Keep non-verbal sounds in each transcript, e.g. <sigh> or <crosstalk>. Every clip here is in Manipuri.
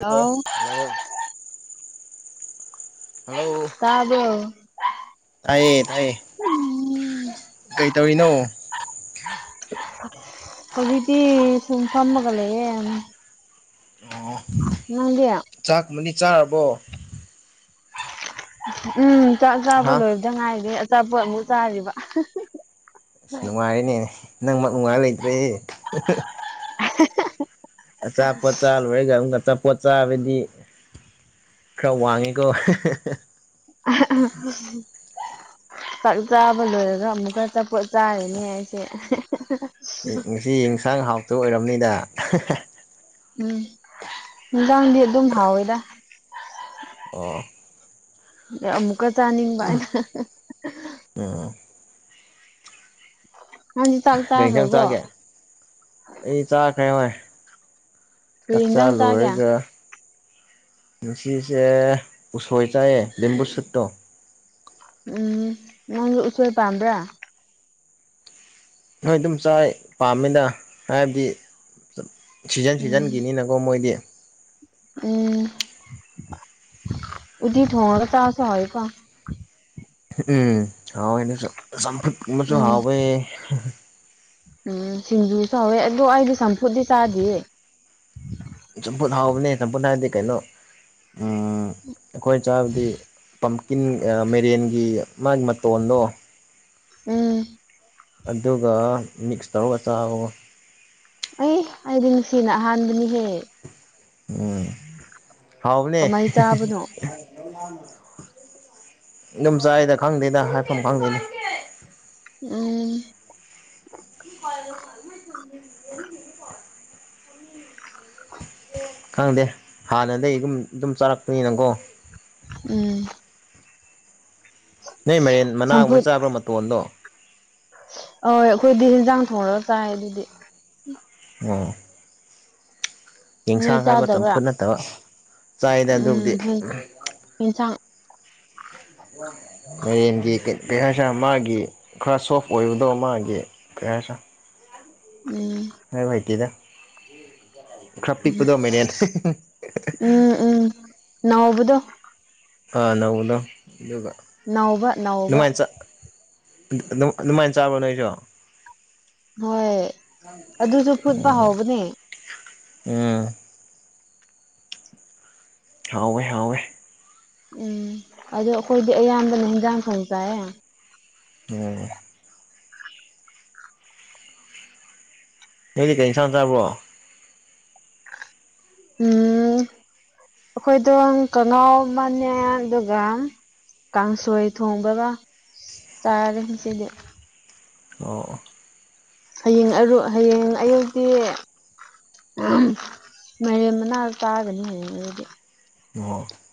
ꯍꯥꯎ <unintelligible> ꯍꯂꯣ ꯍꯂꯣ ꯇꯥꯕꯔ‌ꯣ ꯇꯥꯏꯌꯦ ꯇꯥꯏꯌꯦ ꯀꯩ ꯇꯧꯔꯤꯅꯣ ꯍꯧꯖꯤꯛꯇꯤ ꯁꯨꯝ ꯐꯝꯃꯥꯒ ꯂꯩꯌꯦꯝ ꯑꯣ ꯅꯪꯗꯤ ꯆꯥꯛꯒꯨꯝꯃꯅꯤ ꯆꯥꯔꯕꯣ ꯎꯝ ꯆꯥꯛ ꯆꯥꯕ ꯍꯥ ꯂꯣꯏꯕꯗ ꯉꯥꯏꯔꯤ ꯑꯆꯥꯄꯣꯠ ꯑꯃꯨꯛ ꯆꯥꯔꯤꯕ ꯑꯁ ꯅꯨꯡꯉꯥꯏꯔꯦꯅꯦ ꯅꯪꯃꯛ ꯅꯨꯡꯉꯥꯏꯕ ꯂꯩꯇ꯭ꯔꯦꯍꯦ <unintelligible> ꯑꯆꯥꯄꯣꯠ ꯆꯥ ꯂꯣꯏꯔꯒ ꯑꯃꯨꯛꯀꯥ ꯆꯞ ꯄꯣꯠ ꯆꯥꯕꯗꯤ ꯈꯔ ꯋꯥꯡꯉꯤꯀꯣ <unintelligible> ꯆꯥꯛ ꯆꯥꯕ ꯂꯣꯏꯔꯒ ꯑꯃꯨꯛꯀꯥ ꯑꯆꯥꯄꯣꯠ ꯆꯥꯔꯅꯤ ꯍꯥꯏꯁꯦ ꯎꯝ ꯉꯁꯤ ꯏꯟꯁꯥꯡ ꯍꯥꯎꯇꯕ ꯑꯣꯏꯔꯝꯅꯤꯗ ꯎꯝ ꯅꯨꯡꯖꯥꯡꯗꯤ ꯑꯗꯨꯝ ꯍꯥꯎꯋꯦꯗ ꯑꯣ ꯑꯗꯣ ꯑꯃꯨꯛꯀꯥ ꯆꯥꯅꯤꯡꯕ ꯑꯩꯅ ꯎꯝ ꯅꯪꯗꯤ ꯆꯥꯛ ꯒꯩ ꯏꯟꯁꯥꯡ ꯆꯥꯈ꯭ꯔꯕꯣ ꯆꯥꯒꯦ ꯑꯩ ꯆꯥꯈ꯭ꯔꯦ ꯍꯣꯏ ꯀꯔꯤ ꯆꯥꯛꯆꯥ ꯏꯟꯖꯥꯡ ꯆꯥꯒꯦ ꯂꯣꯏꯔꯒ ꯉꯁꯤꯁꯦ ꯎꯁꯣꯏ ꯆꯥꯌꯦ ꯂꯦꯝꯕꯨꯨ ꯁꯨꯠꯇꯣ ꯎꯝ ꯅꯪꯖꯨ ꯎꯁꯣꯏ ꯄꯥꯝꯕ꯭ꯔꯥ ꯅꯣꯏ ꯑꯗꯨꯝ ꯆꯥꯏ ꯄꯥꯝꯃꯤꯅ ꯍꯥꯏꯕꯗꯤ ꯁꯤꯖꯟ ꯎꯝ ꯁꯤꯖꯟꯒꯤꯅꯤꯅ ꯀꯣ ꯃꯣꯏꯗꯤ ꯎꯝ ꯎꯠꯇꯤ ꯊꯣꯡꯉꯒ ꯆꯥꯕꯁꯨ ꯍꯥꯎꯋꯤꯀꯣ ꯎꯝ ꯍꯥꯎꯋꯦ ꯑꯗꯨꯁꯨ ꯆꯝꯐꯨꯠ ꯀꯨꯝꯕꯁꯨ ꯎꯝ ꯍꯥꯎꯋꯦ ꯎꯝ ꯁꯤꯡꯖꯨꯁꯨ ꯍꯥꯎꯋꯦ ꯑꯗꯣ ꯑꯩꯗꯤ ꯆꯝꯐꯨꯠꯗꯤ ꯆꯥꯗꯤꯌꯦ ꯆꯝꯐꯨꯠ ꯍꯥꯎꯕꯅꯦ ꯆꯝꯐꯨꯠ ꯍꯥꯏꯔꯗꯤ ꯀꯩꯅꯣ ꯎꯝ ꯑꯩꯈꯣꯏ ꯆꯥꯕꯗꯤ ꯄꯝꯀꯤꯟ ꯑꯥ ꯃꯦꯔꯦꯟꯒꯤ ꯃꯥꯒꯤ ꯃꯇꯣꯟꯗꯣ ꯎꯝ ꯑꯗꯨꯒ ꯃꯤꯛꯁ ꯇꯧꯔꯒ ꯆꯥꯕꯀꯣ ꯑꯩ ꯑꯩꯗꯤ ꯉꯁꯤꯅ ꯑꯍꯥꯟꯕꯅꯤꯍꯦ ꯎꯝ ꯍꯥꯎꯕꯅꯦ ꯀꯃꯥꯏ ꯆꯥꯕꯅꯣ <inaudible> ꯑꯗꯨꯝ ꯆꯥꯏꯗ ꯈꯪꯗꯦꯗ ꯍꯥꯏꯐꯝ ꯈꯪꯗꯦꯗ ꯎꯝ <unintelligible> ꯈꯪꯗꯦ ꯍꯥꯟꯅꯗꯩ ꯑꯗꯨꯝ ꯑꯗꯨꯝ ꯆꯥꯔꯛꯄꯅꯤꯅꯀꯣ ꯎꯝ ꯅꯣꯏ ꯃꯥꯏꯔꯦꯟ ꯃꯅꯥꯒꯨꯝꯕ ꯆꯥꯕ꯭ꯔꯥ ꯃꯇꯣꯟꯗꯣ ꯑꯥ ꯑꯩꯈꯣꯏꯗꯤ ꯍꯤꯟꯖꯥꯡ ꯊꯣꯡꯔꯒ ꯆꯥꯏ ꯑꯗꯨꯗꯤ ꯑꯣ ꯅꯣꯏ ꯌꯦꯟꯁꯥꯡ ꯍꯥꯏꯕ ꯆꯥꯗꯕ꯭ꯔꯥ ꯆꯝꯐꯨꯠ ꯅꯠꯇꯕ ꯆꯥꯏꯗ ꯑꯗꯨꯕꯨꯗꯤ ꯎꯝ ꯏꯟꯁꯥꯡ ꯃꯥꯏꯔꯦꯟꯒꯤ ꯀꯩ ꯀꯩ ꯍꯥꯏꯁꯦꯔꯥ ꯃꯥꯒꯤ ꯈꯔ ꯁꯣꯐ ꯑꯣꯏꯕꯗꯣ ꯃꯥꯒꯤ ꯀꯩ ꯍꯥꯏꯁꯦꯔꯥ ꯎꯝ ꯍꯥꯏꯕ ꯍꯩꯇꯦꯗ ꯈꯔ ꯄꯤꯛꯄꯗꯣ ꯃꯦꯔꯦꯟ ꯎꯝ ꯎꯝ ꯅꯥꯎꯕꯗꯣ ꯑꯥ ꯅꯧꯕꯅꯣ ꯑꯗꯨꯒ ꯅꯧꯕ ꯅꯧꯕ ꯗꯨꯃꯥꯏ ꯆꯠ ꯑꯗꯨ ꯑꯗꯨ ꯑꯗꯨꯃꯥꯏꯟ ꯆꯥꯕ꯭ꯔꯣ ꯅꯣꯏꯁꯨ ꯍꯣꯏ ꯑꯗꯨꯁꯨ ꯐꯨꯠꯄ ꯍꯥꯎꯕꯅꯦ ꯎꯝ ꯍꯥꯎꯋꯦ ꯍꯥꯎꯋꯦ ꯎꯝ ꯑꯗꯣ ꯑꯩꯈꯣꯏꯗꯤ ꯑꯌꯥꯝꯕꯅ ꯍꯦꯟꯖꯥꯡ ꯊꯣꯡ ꯆꯥꯏꯌꯦ <unintelligible> ꯅꯣꯏꯗꯤ ꯀꯩ ꯏꯟꯁꯥꯡ ꯆꯥꯕ꯭ꯔꯣ <unintelligible> ꯑꯈꯣꯏꯗꯣꯜ ꯀꯪꯉꯥꯎ ꯑꯃꯅꯦ ꯑꯗꯨꯒ ꯀꯥꯡꯁꯣꯏ ꯊꯣꯡꯕꯒ ꯆꯥꯔꯦ ꯉꯁꯤꯗꯤ ꯑꯣ ꯑꯣ ꯍꯌꯦꯡ ꯑꯔꯨ ꯍꯌꯦꯡ ꯑꯌꯨꯛꯇꯤ ꯃꯥꯏꯔꯦꯟ ꯃꯅꯥ ꯆꯥꯒꯅꯤ ꯍꯌ‌ꯦꯡ ꯑꯌꯨꯛꯗꯤ <unintelligible>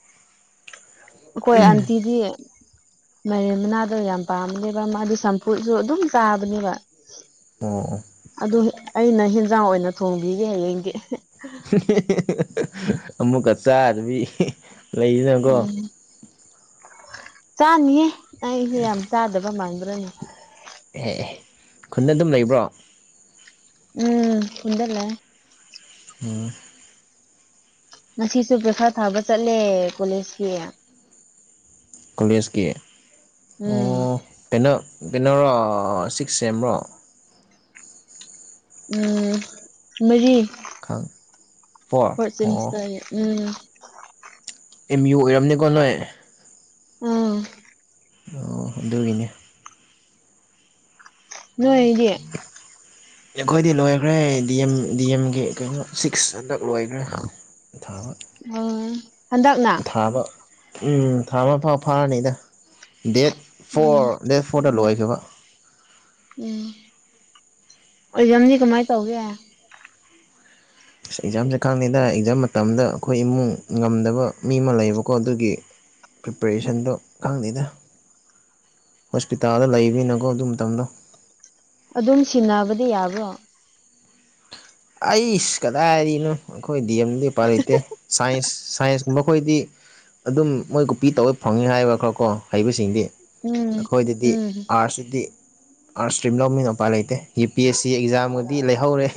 ꯑꯈꯣꯏ ꯑꯥꯟꯇꯤꯗꯤ ꯃꯥꯏꯔꯦꯟ ꯃꯅꯥꯗꯣ ꯌꯥꯝ ꯄꯥꯝꯕꯅꯦꯕ ꯃꯥꯗꯤ ꯆꯝꯐꯨꯠꯁꯨ ꯑꯗꯨꯝ ꯆꯥꯕꯅꯦꯕ ꯑꯣ ꯑꯣ ꯑꯗꯨꯒꯤ ꯑꯩꯅ ꯍꯦꯟꯖꯥꯡ ꯑꯣꯏꯅ ꯊꯣꯡꯕꯤꯒꯦ ꯍꯌꯦꯡꯗꯤ ꯑꯃꯨꯛꯀ ꯆꯥꯗꯕꯤ ꯂꯩꯗꯅꯀꯣ ꯎꯝ ꯆꯥꯅꯤꯌꯦ ꯑꯩꯁꯦ ꯌꯥꯝ ꯆꯥꯗꯕ ꯃꯥꯟꯕ꯭ꯔꯅꯦ ꯑꯦꯍꯦ ꯈꯨꯟꯗ ꯑꯗꯨꯝ ꯂꯩꯕ꯭ꯔꯣ ꯎꯝ ꯈꯨꯟꯗ ꯂꯩ ꯎꯝ ꯉꯁꯤꯁꯨ ꯄꯩꯈꯥ ꯊꯥꯕ ꯆꯠꯂꯦ ꯀꯣꯂꯦꯖꯀꯤ ꯀꯣꯂꯦꯖꯀꯤ ꯎꯝ ꯑꯣ ꯀꯩꯅꯣ ꯀꯩꯅ‌ꯣꯔꯣ ꯁꯤꯛꯁ ꯁꯦꯝꯔꯣ ꯎꯝ ꯃꯔꯤ ꯈꯪ ꯐꯣꯔ ꯐꯣꯔꯠ ꯑꯣ ꯁꯦꯃꯤꯁꯇꯔ ꯎꯝ ꯑꯦꯝ ꯌꯨ ꯑꯣꯏꯔꯝꯅ‌ꯦꯀꯣ ꯅꯣꯏ ꯎꯝ ꯑꯣ ꯑꯗꯨꯒꯤꯅꯦ ꯅꯣꯏ ꯗꯤ ꯑꯩꯈꯣꯏꯗꯤ ꯂꯣꯏꯈ꯭ꯔꯦ ꯗꯤ ꯑꯦꯝ ꯗꯤ ꯑꯦꯝꯒꯤ ꯀꯩꯅꯣ ꯁꯤꯛꯁ ꯍꯟꯗꯛ ꯂꯣꯏꯈ꯭ꯔꯦ ꯊꯥꯕ ꯎꯝ ꯍꯟꯗꯛꯅ ꯊꯥꯕ ꯎꯝ ꯊꯥꯕ ꯐꯥꯎ ꯐꯥꯔꯅꯤꯗ ꯗꯦꯠ ꯎꯝ ꯐꯣꯔ ꯗꯦꯠ ꯐꯣꯔꯗ ꯂꯣꯏꯈꯤꯕ ꯎꯝ ꯑꯦꯛꯖꯝꯗꯤ ꯀꯃꯥꯏ ꯇꯧꯒꯦ ꯑꯁ ꯑꯦꯛꯖꯥꯝꯁꯦ ꯈꯪꯗ‌ꯩꯗ ꯑꯦꯛꯖꯥꯝ ꯃꯇꯝꯗ ꯑꯩꯈꯣꯏ ꯏꯃꯨꯡ ꯉꯝꯗꯕ ꯃꯤ ꯑꯃ ꯂꯩꯕꯀꯣ ꯑꯗꯨꯒꯤ ꯄ꯭ꯔꯤꯄꯦꯔꯦꯁꯟꯗꯣ ꯈꯪꯗꯦꯗ ꯍꯣꯁꯄꯤꯇꯥꯜꯗ ꯂꯩꯕꯅꯤꯅ ꯀꯣ ꯑꯗꯨ ꯃꯇꯝꯗ‌ꯣ ꯑꯗꯨꯝ ꯁꯤꯟꯅꯕꯗꯤ ꯌꯥꯕ꯭ꯔꯣ ꯑꯩꯁ ꯀꯗꯥꯢꯗꯩꯅ‌ꯣ ꯑꯈꯣꯏ ꯗꯤ ꯑꯦꯝꯗꯤ ꯎꯄꯥꯢ ꯂꯩꯇꯦ ꯁꯥꯏꯟꯁ ꯁꯥꯏꯟꯁ ꯀꯨꯝꯕ ꯈꯣꯏꯗꯤ ꯑꯗꯨꯝ ꯃꯣꯏ ꯀꯣꯞꯄꯤ ꯇꯧꯔ ꯐꯪꯉ‌ꯦ ꯍꯥꯏꯕ ꯈꯔꯀꯣ ꯍꯩꯕꯁꯤꯡꯗꯤ ꯎꯝ ꯑꯩꯈꯣꯏꯗꯗꯤ ꯎꯝ ꯑꯥꯔꯠꯁꯇꯗꯤ ꯑꯥꯔꯠꯁ ꯏꯁꯇ꯭ꯔꯤꯝ ꯂꯧꯃꯤꯅ ꯎꯄꯥꯏ ꯂꯩꯇꯦ ꯌꯨ ꯄꯤ ꯑꯦꯁ ꯁꯤ ꯑꯦꯛꯖꯥꯝꯒꯗꯤ ꯂꯩꯍꯧꯔꯦ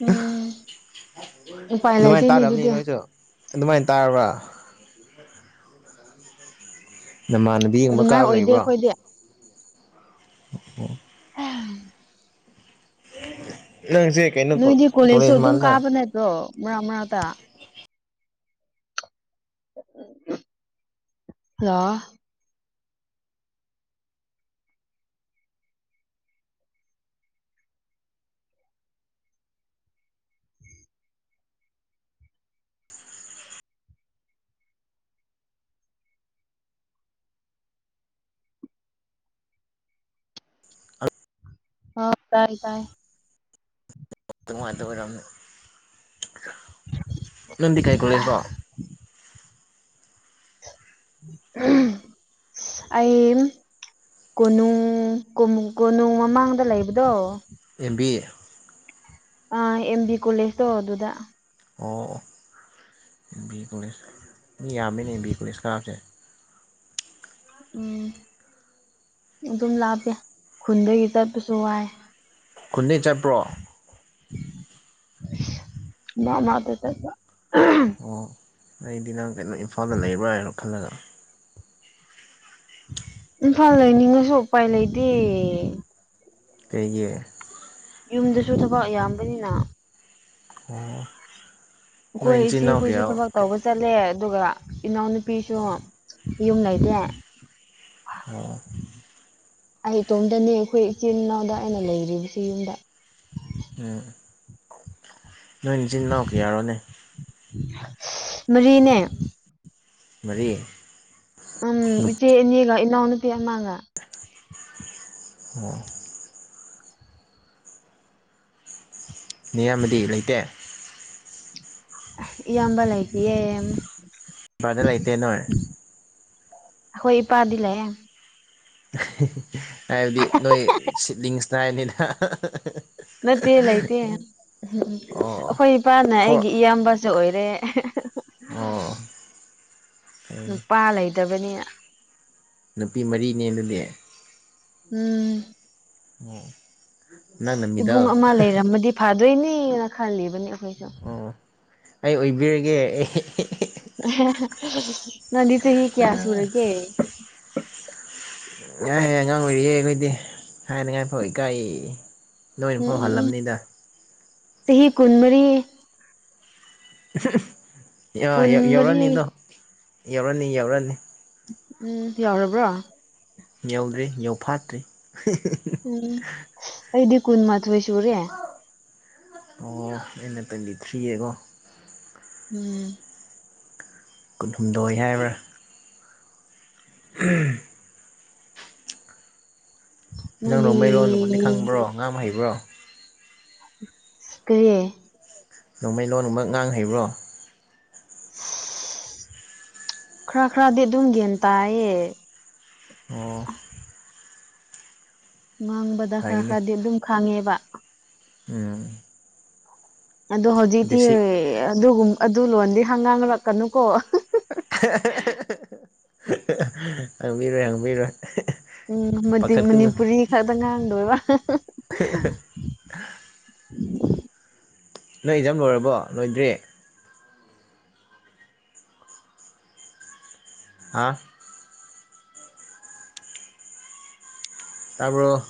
ꯎꯝ ꯎꯄꯥꯏ ꯑꯗꯨꯃꯥꯏꯅ ꯂꯩꯇꯦꯅꯦ ꯇꯥꯔꯝꯅꯤ ꯑꯗꯨꯗꯤ ꯅꯣꯏꯁꯨ ꯑꯗꯨꯃꯥꯏꯅ ꯇꯥꯔꯕ꯭ꯔꯥ ꯅꯃꯥꯟꯅꯕꯤ ꯌꯦꯡꯕ ꯑꯗꯨꯃꯥꯏꯅ ꯀꯥꯕ ꯑꯣꯏꯗꯦ ꯂꯩꯕ꯭ꯔꯣ ꯑꯩꯈꯣꯏꯗꯤ ꯑꯣ ꯅꯪꯖꯦ ꯅꯣꯏꯗꯤ ꯀꯣꯂꯦꯖꯁꯨ ꯑꯗꯨꯝ ꯀꯥꯕ ꯅꯠꯇ꯭ꯔꯣ ꯃꯔꯛ ꯃꯔꯛꯇ ꯍꯜꯂꯣ ꯍꯥꯎ ꯇꯥꯏ ꯇꯥꯏ ꯗꯨꯉꯥꯏꯇ ꯑꯣꯏꯔꯝꯅꯤ ꯅꯪꯗꯤ ꯀꯩ ꯑꯁ ꯀꯣꯂꯦꯖꯔꯣ ꯑꯩ ꯀꯣꯅꯨꯡ ꯀꯣꯃꯨ ꯀꯣꯅꯨꯡ ꯃꯃꯥꯡꯗ ꯂꯩꯕꯗꯣ ꯑꯦꯝ ꯕꯤ ꯑꯦ ꯑ ꯑꯦꯝ ꯕꯤ ꯀꯣꯂꯦꯖ ꯇꯣ ꯑꯗꯨꯗ ꯑꯣ ꯑꯣ ꯑꯦꯝ ꯕꯤ ꯀꯣꯂꯦꯖ ꯃꯤ ꯌꯥꯝꯃꯤꯅꯦ ꯑꯦꯝ ꯕꯤ ꯀꯣꯂꯦꯖ ꯀꯕꯁꯦ ꯎꯝ ꯑꯗꯨꯝ ꯂꯥꯞꯄꯦ ꯈꯨꯟꯗꯒꯤ ꯆꯠꯄꯁꯨ ꯋꯥꯏ ꯈꯨꯟꯗꯩ ꯆꯠꯄ꯭ꯔꯣ ꯃꯥꯔꯛ ꯃꯥꯔꯛꯇ ꯆꯠꯄ ꯑꯣ ꯑꯩꯗꯤ ꯅꯪ ꯀꯩꯅꯣ ꯏꯝꯐꯥꯜꯗ ꯂꯩꯕ꯭ꯔꯥ ꯍꯥꯏꯅ ꯈꯜꯂꯒ ꯏꯝꯐꯥꯜ ꯂꯩꯅꯤꯡꯉꯁꯨ ꯎꯄꯥꯏ ꯂꯩꯇꯦ ꯀꯩꯒꯤ ꯌꯨꯝꯗꯁꯨ ꯊꯕꯛ ꯌꯥꯝꯕꯅꯤꯅ ꯑꯣ ꯅꯣꯏ ꯑꯩꯈꯣꯏ ꯏꯆꯤꯟ ꯏꯆꯦ ꯏꯅꯥꯎ ꯀꯌꯥ ꯈꯣꯏꯁꯨ ꯑꯣ ꯊꯕꯛ ꯇꯧꯕ ꯆꯠꯂꯦ ꯑꯗꯨꯒ ꯏꯅꯥꯎꯅꯨꯄꯤꯁꯨ ꯌꯨꯝ ꯂꯩꯇꯦ ꯑꯣ ꯑꯩ ꯏꯇꯣꯝꯇꯅꯦ ꯑꯩꯈꯣꯏ ꯏꯆꯤꯜ ꯏꯅꯥꯎꯗ ꯑꯩꯅ ꯂꯩꯔꯤꯕꯁꯤ ꯌꯨꯝꯗ ꯎꯝ ꯅꯣꯏ ꯏꯆꯤꯟꯅꯥꯎꯀꯤ ꯌꯥꯔꯣꯅꯦ ꯃꯔꯤꯅꯦ ꯃꯔꯤ ꯎꯝ ꯏꯆꯦ ꯑꯅꯤꯒ ꯏꯟꯅꯥꯎꯅꯨꯄꯤ ꯑꯃꯥꯒ ꯑꯣ ꯅꯌꯥꯝꯕꯗꯤ ꯂꯩꯇꯦ ꯏꯌꯥꯝꯕ ꯂꯩꯇꯤꯌꯦ <unintelligible> ꯂꯩꯇꯦ ꯅꯣꯏ ꯑꯩꯈꯣꯏ ꯏꯄꯥꯗꯤ ꯂꯩꯌꯦ ꯍꯥꯏꯕꯗꯤ ꯅꯣꯏ ꯁꯤꯕꯂꯤꯡꯁꯅ ꯍꯥꯏꯅꯤꯗ ꯅꯠꯇꯦ ꯂꯩꯇꯦ ꯎꯝ ꯑꯣ ꯑꯩꯈꯣꯏ ꯏꯄꯥꯅ ꯐꯣꯔ ꯑꯩꯒꯤ ꯏꯌꯥꯝꯕꯁꯨ ꯑꯣꯏꯔꯦ ꯑꯣ ꯐꯩꯅꯦ ꯅꯨꯄꯥ ꯂꯩꯇꯕꯅꯤꯅ ꯅꯨꯄꯤ ꯃꯔꯤꯅꯦ ꯑꯗꯨꯗꯤ ꯎꯝ ꯅꯪꯅ ꯃꯤꯗꯜ ꯐꯥꯗꯣꯏꯅꯤ ꯈꯥꯜꯂꯤꯕꯅꯤ ꯑꯩꯈꯣꯏꯁꯨ ꯑꯣ ꯑꯩ ꯑꯣꯏꯕꯤꯔꯒꯦ ꯅꯗꯤ ꯆꯍꯤ ꯀꯌꯥ ꯑꯩ ꯁꯨꯔꯒꯦ ꯍꯦ ꯑꯉꯥꯡ ꯑꯣꯏꯔꯤꯌꯦ ꯑꯩꯈꯣꯏꯗꯤ ꯍꯥꯏꯅꯤꯡꯉꯥꯏ ꯐꯥꯎ ꯏꯀꯥꯏꯌꯦ ꯎꯝ ꯎꯝ ꯆꯍꯤ ꯀꯨꯟꯃꯔꯤ ꯀꯨꯟꯃꯔꯤ ꯌꯧꯔꯅꯤꯗꯣ ꯌꯧꯔꯅꯤ ꯌꯧꯔꯅꯤ ꯎꯝ ꯌꯧꯔꯕ꯭ꯔꯣ ꯌꯧꯗ꯭ꯔꯤ ꯌꯧꯐꯥꯠꯇ꯭ꯔꯤ ꯎꯝ ꯑꯩꯗꯤ ꯀꯨꯟ ꯃꯥꯊꯣꯏ ꯁꯨꯔꯦ ꯑꯣ ꯑꯩꯅ ꯇꯣꯏꯟꯇꯤ ꯊ꯭ꯔꯤ ꯌꯦꯉꯣ ꯎꯝ ꯀꯨꯟꯍꯨꯝꯗꯣꯏ ꯍꯥꯏꯕ꯭ꯔꯥ <inaudible> ꯅꯪ ꯅꯣꯏꯗꯤ ꯔꯣꯡꯃꯩ ꯂꯣꯟꯕꯨꯗꯤ ꯈꯪꯕ꯭ꯔꯣ ꯉꯥꯥꯡ ꯍꯩꯕ꯭ꯔꯣ ꯀꯩꯌꯦ ꯔꯣꯡꯃꯩ ꯂꯣꯟꯒꯨꯝꯕ ꯉꯥꯡ ꯍꯩꯕ꯭ꯔꯣ ꯈꯔ ꯈꯔꯗꯤ ꯑꯗꯨꯝ ꯒ꯭ꯌꯥꯟ ꯇꯥꯏꯌꯦ ꯑꯣ ꯉꯥꯡꯕꯗ ꯈꯔ ꯐꯩꯅꯦ ꯈꯔꯗꯤ ꯑꯗꯨꯝ ꯈꯪꯉꯦꯕ ꯎꯝ ꯑꯗꯣ ꯍꯧꯖꯤꯛꯇꯤ ꯕꯦꯁꯤꯛ ꯑꯗꯨꯒꯨꯝ ꯑꯗꯨ ꯂꯣꯟꯗꯤ ꯍꯪ ꯉꯥꯡꯔꯛꯀꯅꯨ ꯀꯣ ꯍꯪꯕꯤꯔꯣꯏ ꯍꯪꯕꯤꯔꯣꯏ ꯎꯝ ꯃꯗꯤ ꯄꯥꯈꯠꯀꯅꯨ ꯃꯅꯤꯄꯨꯔꯤ ꯈꯛꯇ ꯉꯥꯡꯗꯣꯏꯕ <unintelligible> ꯅꯣꯏ ꯑꯦꯛꯖꯥꯝ ꯂꯣꯏꯔꯕ꯭ꯔꯣ ꯂꯣꯏꯗ꯭ꯔꯤ ꯍꯥ ꯇꯥꯕ꯭ꯔꯣ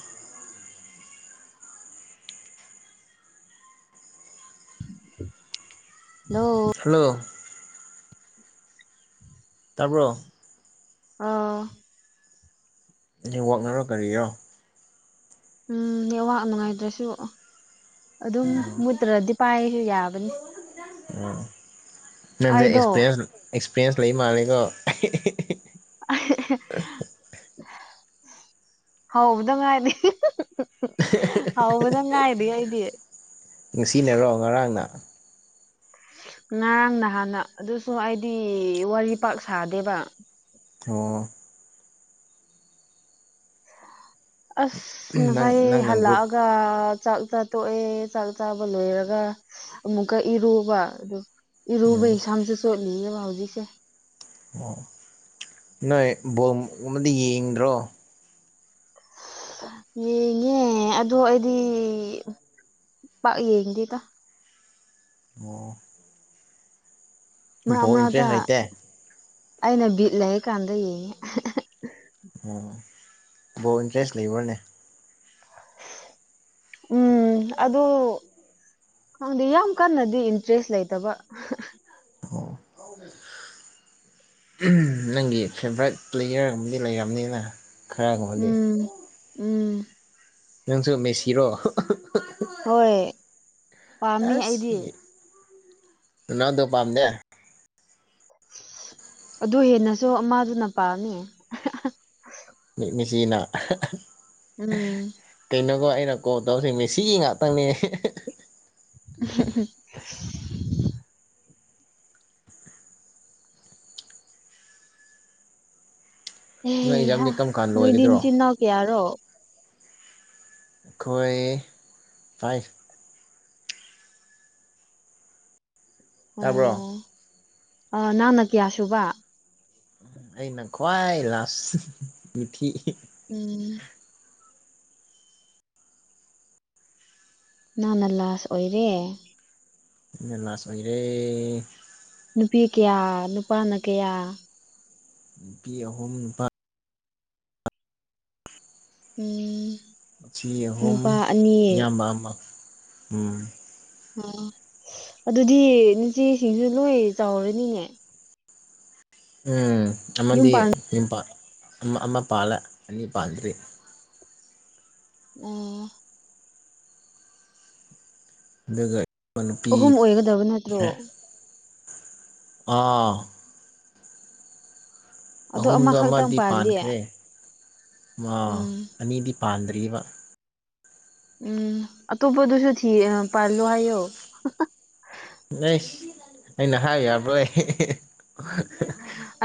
ꯍꯜꯂꯣ ꯍꯜꯂꯣ ꯇꯥꯕ꯭ꯔꯣ ꯑꯧ ꯅꯦꯠꯋꯥꯛꯅꯔꯣ ꯀꯔꯤꯔꯣ ꯎꯝ ꯅꯦꯠꯋꯥꯛ ꯅꯨꯡꯉꯥꯏꯇ꯭ꯔꯁꯨ ꯑꯗꯨꯝ ꯃꯨꯠꯇ꯭ꯔꯗꯤ ꯄꯥꯏꯔꯁꯨ ꯌꯥꯕꯅꯤ ꯑꯣ ꯅꯪꯁꯦ ꯑꯩꯗꯣ ꯑꯦꯛꯁꯄꯔꯌꯦꯟꯁ ꯑꯦꯛꯁꯄꯔꯌꯦꯟꯁ ꯂꯩ ꯃꯥꯜꯂꯦꯀꯣ ꯍꯧꯕꯗ ꯉꯥꯏꯔꯤ ꯍꯧꯕꯗ ꯉꯥꯏꯔꯤ ꯑꯩꯗꯤ ꯉꯁꯤꯅꯔꯣ ꯉꯔꯥꯡꯅ ꯉꯔꯥꯡ ꯅꯍꯥꯟꯅ ꯑꯗꯨꯁꯨ ꯑꯩꯗꯤ ꯋꯥꯔꯤ ꯄꯥꯛ ꯁꯥꯗꯦꯕ ꯑꯣ ꯑꯁ ꯅꯪ ꯉꯁꯥꯏ ꯅꯪꯅ ꯒ꯭ꯔꯨꯞ ꯍꯜꯂꯛꯑꯒ ꯆꯥ ꯆꯥꯛ ꯆꯥ ꯇꯣꯛꯑꯦ ꯆꯥꯛ ꯆꯥꯕ ꯂꯣꯏꯔꯒ ꯑꯃꯨꯛꯀ ꯏꯔꯨꯕ ꯑꯗꯨ ꯏꯔꯨꯕ ꯎꯝ ꯁꯝꯁꯨ ꯆꯣꯠꯂꯤꯌꯦ ꯍꯧꯖꯤꯛꯁꯦ ꯑꯣ ꯅꯣꯏ ꯕꯣꯜ ꯒꯨꯝꯕꯗꯤ ꯌꯦꯡꯗ꯭ꯔꯣ ꯌꯦꯡꯉꯦ ꯑꯗꯣ ꯑꯩꯗꯤ ꯄꯥꯛ ꯌꯦꯡꯗꯦꯗ ꯑꯣ ꯃꯔꯛ ꯕꯣꯜ ꯃꯔꯛꯇ ꯏꯟꯇꯔꯦꯁ ꯂꯩꯇꯦ ꯑꯩꯅ ꯕꯤꯠ ꯂꯩꯔꯀꯥꯟꯗ ꯌꯦꯡꯉꯦ ꯑꯣ ꯕꯣꯜ ꯏꯟꯇꯔꯦꯁ ꯂꯩꯕ꯭ꯔꯥꯅꯦ ꯎꯝ ꯑꯗꯨ ꯗꯤ ꯌꯥꯝ ꯀꯟꯅꯗꯤ ꯏꯟꯇꯔꯦꯁ ꯂꯩꯇꯕ ꯑꯣ ꯅꯪꯒꯤ ꯐꯦꯚꯣꯔꯥꯏꯠ ꯄ꯭ꯂꯦꯌꯔ ꯑꯃꯗꯤ ꯂꯩꯔꯝꯅꯤꯅ ꯈꯔꯒꯨꯝꯕꯗꯤ ꯎꯝ ꯎꯝ ꯅꯪꯁꯨ ꯃꯦꯁꯤꯔꯣ ꯍꯣꯏ ꯄꯥꯝꯃꯤ ꯑꯁ ꯑꯩꯗꯤ ꯔꯣꯅꯥꯜꯗꯣ ꯄꯥꯥꯝꯗꯦ ꯑꯗꯨ ꯍꯦꯟꯅꯁꯨ ꯑꯃꯗꯨꯅ ꯄꯥꯝꯃꯤ ꯃꯦ ꯃꯦꯁꯤꯅ ꯎꯝ ꯀꯩꯅꯣꯒꯣ ꯑꯩꯅ ꯀꯣꯜ ꯇꯧꯕꯁꯤ ꯃꯦꯁꯤꯒꯤ ꯉꯥꯛꯇꯪꯅꯦ ꯎꯝ ꯅꯣꯏ ꯍꯩ ꯍꯥ ꯑꯦꯛꯖꯥꯝꯗꯤ ꯀꯔꯝ ꯀꯥꯟ ꯅꯣꯏꯗꯤ ꯂꯣꯏꯒꯗ꯭ꯔꯣ ꯅꯆꯟꯤ ꯅꯅꯥꯎ ꯀꯥꯌꯥꯅꯣ ꯑꯩꯈꯣꯏ ꯐꯥꯏꯕ ꯇꯥꯕ꯭ꯔꯣ ꯑꯣ ꯅꯪꯅ ꯀꯌꯥ ꯁꯨꯕ ꯑꯩꯅ ꯈ꯭ꯋꯥꯏ ꯂꯥꯁ ꯃꯤꯊꯤ ꯎꯝ ꯅꯪꯅ ꯂꯥꯁ ꯑꯣꯏꯔꯦ ꯑꯩꯅ ꯂꯥꯁ ꯑꯣꯏꯔꯦ ꯅꯨꯄꯤ ꯀꯌꯥ ꯅꯨꯄꯥꯅ ꯀꯌꯥ ꯅꯨꯄꯤ ꯑꯍꯨꯝ ꯅꯨꯄꯥ ꯎꯝ ꯅꯨꯄꯤ ꯑꯍꯨꯝ ꯅꯨꯄꯥ ꯑꯅꯤ ꯏꯌꯥꯝꯕꯝ ꯑꯃ ꯎꯝ ꯑꯣ ꯑꯗꯨꯗꯤ ꯅꯆꯦꯁꯤꯡꯁꯨ ꯂꯣꯏ ꯆꯥꯎꯔꯅꯤꯅꯦ ꯎꯝ ꯌꯨꯝ ꯑꯃꯗꯤ ꯄꯥꯟ ꯌꯨꯝ ꯑꯃ ꯄꯥꯜꯂꯦ ꯑꯅꯤ ꯄꯥꯟꯗ꯭ꯔꯤ ꯑꯣ ꯑꯗꯨꯒꯩ ꯑꯍꯨꯝ ꯑꯣꯏꯒꯗꯕ ꯅꯠꯇ꯭ꯔꯣ ꯑꯥ ꯑꯗꯣ ꯑꯍꯨꯝꯗꯣ ꯑꯃꯈꯛꯇꯪ ꯑꯃꯗꯤ ꯄꯥꯜꯂꯤ ꯄꯥꯟꯈ꯭ꯔꯦ ꯎꯝ ꯑꯅꯤꯗꯤ ꯄꯥꯟꯗ꯭ꯔꯤꯕ ꯎꯝ ꯑꯇꯣꯞꯄꯗꯨꯁꯨ ꯊꯤ ꯄꯥꯜꯂꯣ ꯍꯥꯏꯌꯣ ꯑꯩꯁ ꯑꯩꯅ ꯍꯥꯏꯕ ꯌꯥꯕ꯭ꯔꯣ ꯎꯝ